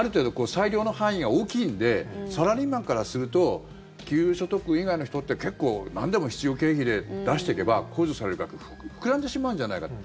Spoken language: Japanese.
裁量の範囲が大きいんでサラリーマンからすると給与所得以外の人って結構、なんでも必要経費で出していけば控除される額膨らんでしまうんじゃないかと。